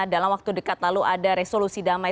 dalam waktu dekat lalu ada resolusi damai